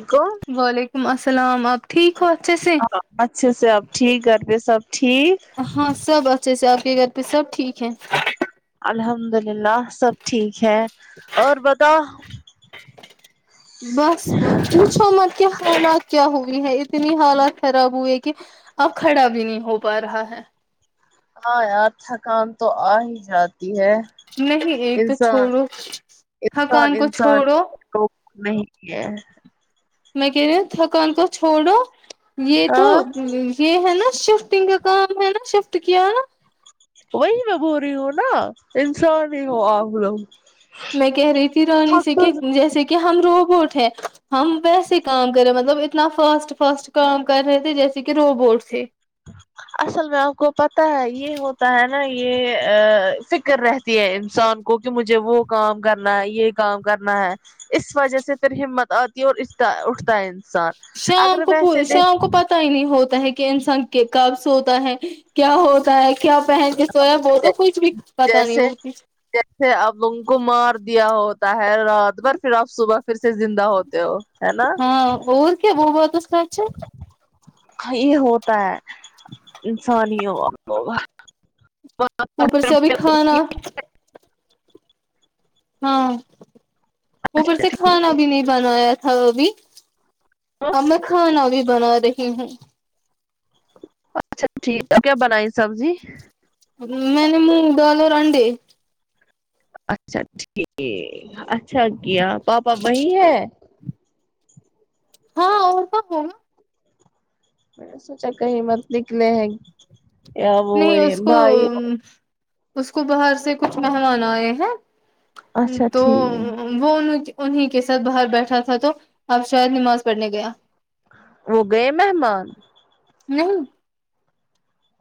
ٹھیک ہو وعلیکم السلام آپ ٹھیک ہو اچھے سے اچھے سے اب ٹھیک گھر پہ سب ٹھیک ہاں سب اچھے سے آپ کے گھر پہ سب ٹھیک ہے الحمد للہ سب ٹھیک ہے اور بتاو بس پوچھو مت کیا حالات کیا ہوئی ہے اتنی حالات خراب ہوئے ہے کہ اب کھڑا بھی نہیں ہو پا رہا ہے ہاں یار تھکان تو آ ہی جاتی ہے نہیں ایک تو انسان چھوڑو انسان تھکان کو انسان چھوڑو تو نہیں کیا ہے میں کہہ تھکان کو چھوڑو یہ تو ہاں م م یہ ہے نہ شفٹنگ کا کام ہے نہ شفٹ کیا نہ وہی میں بول رہی ہوں نہ انسان ہی ہو آپ لوگ میں کہہ رہی تھی رانی تھک سے تو کہ جیسے کہ کہ ہم روبوٹ ہے ہم ویسے کام کریں مطلب اتنا فاسٹ فاسٹ کام کر رہے تھے جیسے کہ روبوٹس ہے اصل میں آپ کو پتا ہے یہ ہوتا ہے نہ یہ آ فکر رہ تھی ہے انسان کو کہ مجھے وہ کام کرنا ہے یہ کام کرنا ہے اس وجہ سے پھر ہمت آتی ہے اور اس پے اٹھتا ہے انسان اگر ویسے دیکھ پھیلی ہوتا ہے کہ انسان کہ کب سوتا ہے کیا ہوتا ہے کیا پہن یہ سب ہو تو کچھ بھی پتا نہیں جیسے ہوتی جیسے اب انکو کو مار دیا ہوتا ہے رات بھر پھر آب صبح پھر سے زندہ ہوتے ہو ہے نہ ہاں بہت کہ وہ بات سچ ہے ہیں ہی یہ ہوتا ہے انسان ہی ہو ہم لوگ اوپر سے ابھی کھانا ہاں اوپر سے کھانا بھی نہیں بنایا تھا وہ ابھی اب میں کھانا بھی بنا رہی ہوں سب ٹھیک اب کیا بنائی سبزی میں نے مونگ دال اور انڈے اچھا ٹھیک اچھا کیا پاپا وہیں ہے ہاں اور کا ہو میں نے سوچا کہیں مت نکلے ہیں یا وہ یہ بھائی ہوں اس کو باہر سے کچھ مہمان آئے ہیں اچھا تو ٹھیک وہ ان انہیں کے ساتھ باہر بیٹھا تھا تو اب شاید نماز پڑھنے گیا وہ گئے مہمان نہیں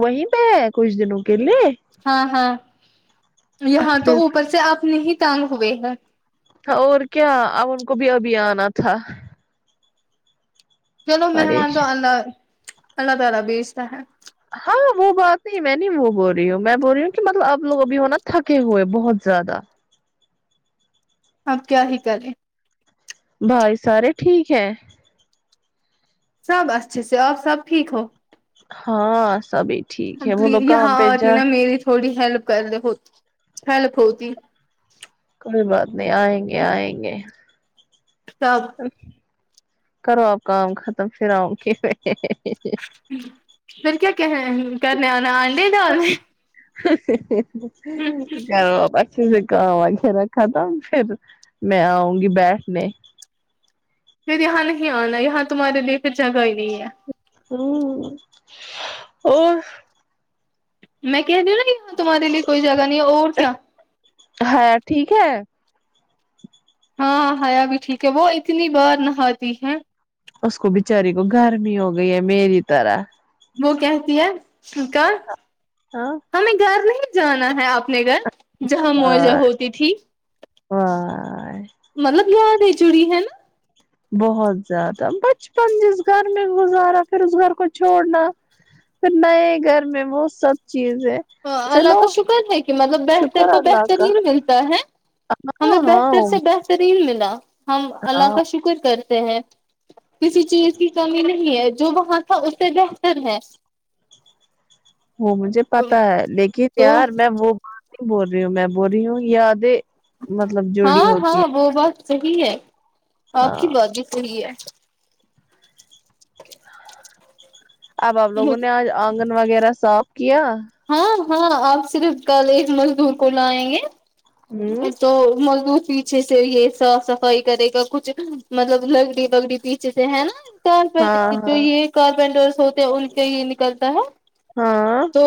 وہی پے ہے کچھ دنوں کے لیے ہاں ہاں یہاں تو اچھا اوپر سے اپنا ہی ٹانگ ہوئے ہے اور کیا اب ان کو بھی ابھی آنا تھا چلو مہمان تو پریش اللہ اللہ تعالی بھیجتا ہے ہاں وہ بات نہیں میں نے بھی وہ بول رہی ہوں میں بول رہی ہوں کہ مطلب اپ لوگ بھی ہونا تھکے ہوئے بہت زیادہ آپ کیا ہی کریں بھائی سارے ٹھیک ہیں سب اچھے سے آپ سب ٹھیک ہو ہاں سبھی ٹھیک ہے وہ لوگ کام یہاں پہ آتی جا نا میری تھوڑی ہیلپ کر لے ہوتی ہیلپ ہوتی کوئی بات نہیں آئیں گے آئیں گے کب کرو آپ کام ختم پھر آؤں گی پھر کیا کہ کرنے انڈے ڈال رہی ہ ہ ہ ہ کرو آپ اچھے سے کام وغیرہ ختم پھر میں آؤں گی بیٹھنے پھر یہاں نہیں آنا یہاں تمہارے لیے پھر جگہ ہی نہیں ہے ہوں اور میں کہے رہی ہو نہ کہ تمہارے لی کوئی جگہ نہیں ہے اور کیا حیا ٹھیک ہے ہاں حیا بھی ٹھیک ہے وہ اتنی بار نہاتی ہے اس کو بچاری کو گرمی ہو گئی ہے میری طرح وہ کہتی ہے سی کا ہاں ہمیں گھر نہیں جانا ہے اپنے گھر جہاں مزہ ہوتی تھی واہ مطلب یادیں جڑی ہے نا بہت زیادہ بچپن جس گھر میں گزارا پھر اس گھر کو چھوڑنا پھر نئے گھر میں وہ سب چیزیں ہ اللہ چلو کا شکر ہے کہ مطلب بہتر شکر کو اللہ کا بہترین ملتا ہے ہمیں ہاں بہتر ہاں سے بہترین ملا ہم اللہ ہاں کا شکر کرے تے ہے کسی چیز کی کمی نہیں ہے جو وہاں تھا اس سے بہتر ہے وہ مجھے پتا ہے لیکن تو یار میں وہ بول رہی ہوں میں بول رہی ہوں یادیں مطلب جڑی ہاں ہوتی ہاں وہ بات صحیح ہے ہے آپ کی ہاں بات بھی صحیح ہے اب آپ لوگوں نے آج آنگن وغیرہ صاف کیا ہاں ہاں آپ صرف کل ایک مزدور کو لیں گے ہوں میں تو مزدور فی پیچھے سے یہ صاف صفائی کرے گا کچھ مطلب لگڑی بگڑی پیچھے سے ہے نا کارپیٹ جو ہاں یہ کارپینٹرس ہوتے ہیں ان کے یہ نکلتا ہے ہاں تو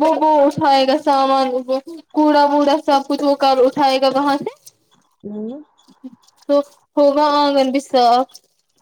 وہ وہ اٹھائے گا سامان وہ کوڑا ووڈا سب کچھ وہ کب اٹھائے گا وہاں سے ہوں تو ہوگا آنگن بھی صاف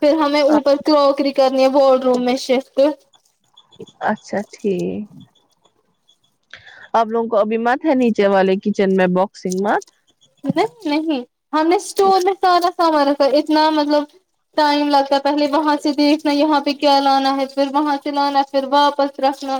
پھر ہمیں ہ اوپر کروکری کرنی ہے وارڈ روب میں شفٹ اچھا ٹھیک آپ لوگوں کو ابھی مت ہے نیچے والے کچن میں باکسنگ مت نہیں نہیں ہم نے اسٹور میں سارا سامان رکھا اتنا مطلب ٹائم لگتا ہے پہلے وہاں سے دیکھنا یہاں پہ کیا لانا ہے پھر وہاں سے لانا پھر واپس رکھنا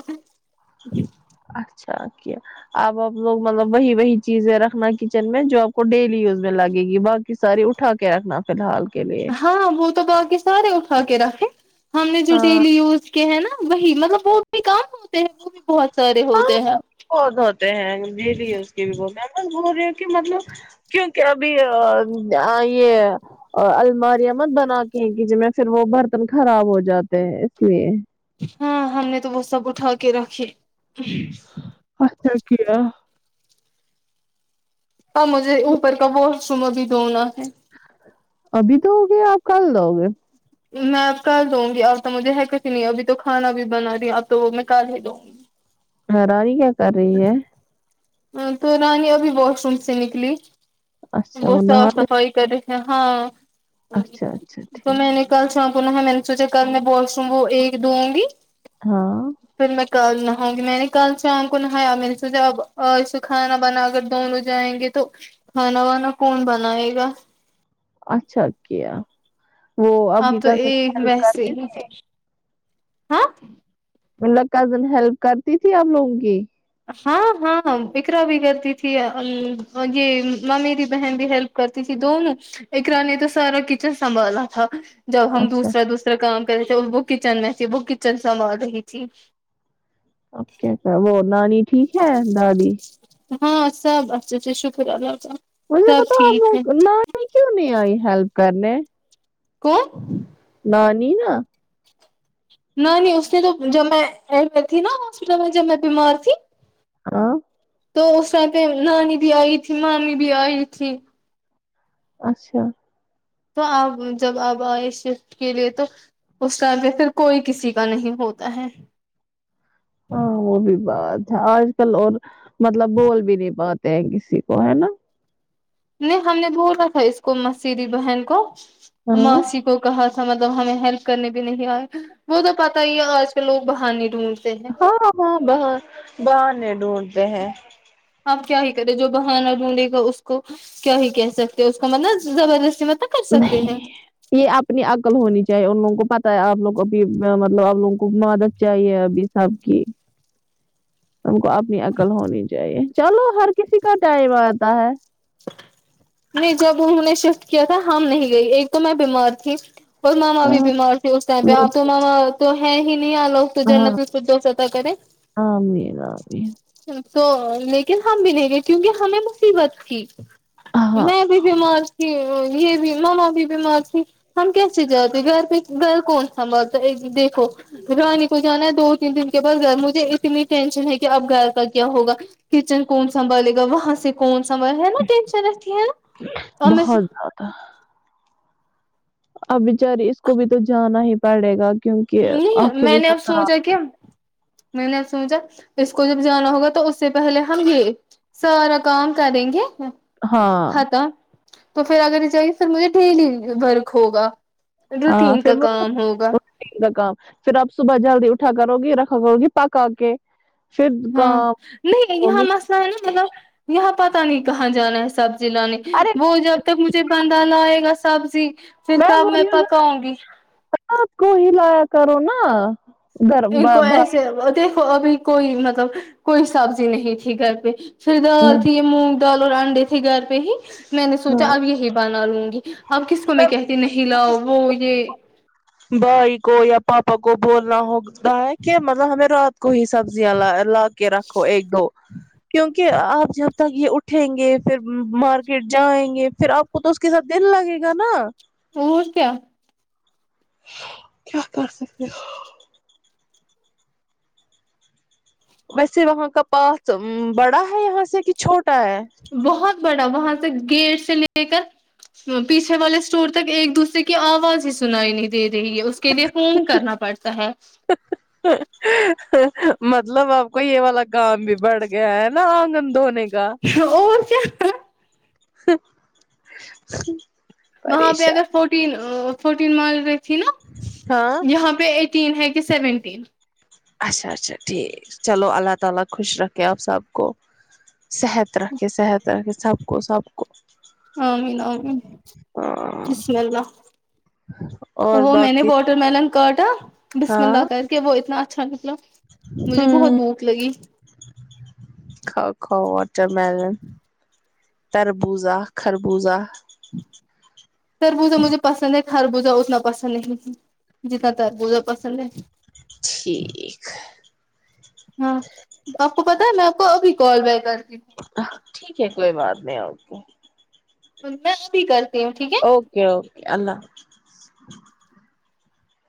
اچھا کیا اب آپ لوگ مطلب وہی وہی چیزیں رکھنا کچن میں جو آپ کو ڈیلی یوز میں لگے گی باقی کی ساری اٹھا کے رکھنا فلحال کے لیے ہاں وہ تو باقی سارے اٹھا کے رکھیں ہم نے جو ہاں ڈیلی یوز ہیں نا وہی مطلب وہ بھی کام ہوتے ہیں وہ بھی بہت سارے ہاں ہوتے ہیں بہت ہوتے ہیں ڈیلی یوز کے لیے اس کے بھی بہ بس بول رہی ہو کہ مطلب کیونکہ ابھی ا اں یہ اور الماریاں مت بنا کے ہیں کچن میں پھر وہ برتن خراب ہو جاتے ہیں اس لیے ہاں ہم نے تو وہ سب اٹھا کے رکھی اچھا کیا ا مجھے اوپر کا واش روم ابھی دھونا ہے ابھی تو ہو گے آپ کل دھو گے میں اب کل دھوں گی اب تو مجھے حرکت ہی نہیں ابھی تو کھانا بھی بنا رہی اب تو میں کل ہی دھوں گی حیراری کیا کر رہی ہے تو رانی ابھی واش روم سے نکلی اچھا وہ صاف نہا رہی، صفائی ٹیرے ہاں اچھا اچھا تو میں نے ٹھیک کل شام کو ہے میں نے سوچا کل میں واش روم وہ ایک دھوں گی ہاں پھر میں کل نہاؤ گی میں نے کل شام کو نہایا میر نے سوچا اب اور اسے کھانا بنا اگر دونوں جائیں گے تو کھانا وانا کون بنائے گا اچھا کیا وہ آپ کی تو کزن ایک ہیلپ کرتے [inaudible] ہاں مطلب کزن ہیلپ کرتی تھی آپ لوگوں کی ہاں ہاں اقرا بھی کرتی تھی یہ ممیری بہن بھی ہیلپ کرتی تھی دونوں اقرا نے تو سارا کچن سنبھالا تھا جب ہم اچھا دوسرا دوسرا کام کر رہے تھے وہ کچن میں تھی وہ کچن سنبھال رہی تھی اب کیا کر وہ نانی ٹھیک ہے دادی ہاں سب اچھے سے شکر اللہ کا مجھے سب بتاؤ اب ٹھیک ہے لوگ نانی کیوں نہیں آئی ہیلپ کرنے کون نانی نا نہ نہیں اس نے تو جب میں تھی نا ہاسپٹل میں جب میں بیمار تھی ہاں تو اس رات نانی بھی آئی تھی مامی بھی آئی تھی اچھا تو آپ جب آپ آئے شفٹ کے لیے تو اس ٹائم پھر کوئی کسی کا نہیں ہوتا ہے ہاں وہ بھی بات ہے آج کل اور مطلب بول بھی نہیں پاتے ہیں کسی کو ہے نا نہیں ہم نے بولا تھا اس کو مسیری بہن کو ہاں ماسی کو کہا تھا مطلب ہمیں ہیلپ کرنے بھی نہیں آئے وہ تو پتا ہی ہے آج کل لوگ بہانے ڈھونڈتے ہیں ہاں ہاں باہر بہانے ڈھونڈتے ہیں آپ کیا ہی کرے جو بہانہ ڈھونڈے گا اس کو کیا ہی کہہ سکتے اس کو مطلب زبردستی مطلب نہیں یہ اپنی عقل ہونی چاہیے ان لوگوں کو پتہ ہے آپ لوگ کو ا مطلب آپ لوگوں کو مدد چاہیے ابھی سب کی ہم کو اپنی عقل ہونی چاہیے چلو ہر کسی کا ٹائم آتا ہے نہیں جب انہوں نے شفٹ کیا تھا ہم نہیں گئی ایک تو میں بیمار تھی اور مما بھی ہاں بیمار تھے اس ٹائم پہ وہ- اب تو ماما تو ہے ہی نہیں آ لوگ تو ہاں جنت الفردوس عطا کرے آمین آمین تو لیکن ہم بھی نہیں گئے کیونکہ ہمیں مصیبت تھی ہاں میں بھی بیمار تھی یہ بھی مما بھی بیمار تھی ہم کیسے جاتے گھر پہ گھر کون سنبھالتا اے دیکھو رانی کو جانا ہے دو تین دن کے بعد گھر مجھے اتنی ٹینشن ہے کہ اب گھر کا کیا ہوگا کچن کون سنبھالے گا وہاں سے کون سنبھال ہے نا ٹینشن رہتی ہے نا اور میں بہت زیادہ اب بیچاری اس کو بھی تو جانا ہی پڑے گا کیونکہ نہیں آخری میں نے اب سسرال سوچا کیا میں نے اب سوچا اس کو جب جانا ہوگا تو اس سے پہلے ہم یہ سارا کام کریں گے ہاں ختم تھا تو پھر اگر جاہے پھر مجھے ڈیلی ورک ہوگا روٹین کا کام ہوگا ٹین کا کام پھر آپ صبح جلدی اٹھا کرو گی رکھاو گی پکا کے پھر ہاں کام نہیں کرو یہاں گی مسئلہ ہے نا مطلب یہاں پتہ نہیں کہاں جانا ہے سب زی لانے ارے وہ جب تک مجھے بندہ لائے گا سبزی پھر کب بول میں رہی ہوں پکاؤں گی رات کو ہی لایا کرو نا گھر ان با- کو بھائی ایسے دیکھو ابھی کوئی مطلب کوئی سبزی نہیں تھی گھر پے پھر دال میں تھی یے مونگ دال اور انڈے تھے گھر پے ہی میں نے سوچا ہاں اب یہی بنا لوں گی اب کس کو میں کہتی نہیں لاؤ وہ یے بھائی کو یا پاپا کو بولنا ہوتا ہے کہ مطلب ہمیں رات کو ہی سبزیاں لا لا کے رکھو ایک دو کیونکہ کہ آپ جب تک یے اٹھیں گے پھر مارکیٹ جائیں گے پھر آپ کو تو اس کے ساتھ دل لگے گا نا اور کیا کیا کر سکتے ویسے وہاں کا پات بڑا ہے یہاں سے کہ چھوٹا ہے بہت بڑا وہاں سے گیٹ سے لے کر پیچھے والے اسٹور تک ایک دوسرے کی آواز ہی سنائی نہیں دے رہی ہے اس کے لیے فون کرنا پڑتا ہے مطلب آپ کو یے والا کام بھی بڑھ گیا ہے نا آنگن دھونے کا اور کیا وہاں پے اگر پریشان فورٹین فورٹین مال رہی تھی نا ہاں یہاں پے ای ٹین ہے کہ سیونٹیین اچھا اچھا ٹھیک چلو اللہ تعالی خوش رکھے آپ سب کو صحت رکھے صحت رکھے سب کو سب کو آمین آمین ہاں بسم اللہ اور وہ میں نے باقی واٹر ملن کاٹا بسم ہاں اللہ کر کے وہ اتنا اچھا نکلا مجھے بہت ہ بھوک لگی کھاؤ کھاؤ واٹر ملن تربوزہ خربوزہ تربوزا مجھے پسند ہے خربوزہ اتنا پسند نہیں جتنا تربوزہ پسند ہے ٹھیک ہاں آپ کو پتہ ہے میں آپ کو ابھی کال بیک کرتی ٹھیک ہے کوئی بات نہیں آپ کو [unintelligible] بھی کرتی ہوں ٹھیک ہے اوکے اوکے اللہ